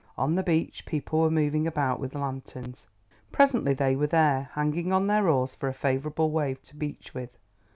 On the beach people were moving about with lanterns. Presently they were there, hanging on their oars for a favourable wave to beach with.